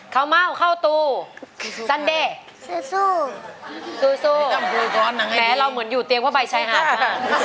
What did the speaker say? เหมาะเค้าตูสันเดยสู้และเราเหมือนอยู่เตียงกว่าใบชัยหาด